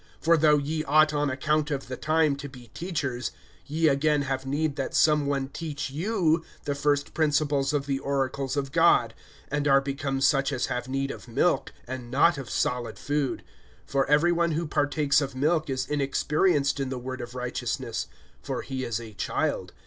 (12)For though ye ought, on account of the time, to be teachers, ye again have need that some one teach you the first principles of the oracles of God, and are become such as have need of milk, and not of solid food. (13)For every one who partakes of milk is inexperienced in the word of righteousness; for he is a child.